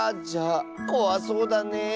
じゃあこわそうだね。